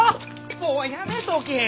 もうやめとけ！